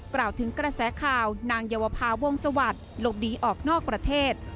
กล่าวถึงกระแสข่าวนางเยาวภาวงศวรรคหลบหนีออกนอกประเทศ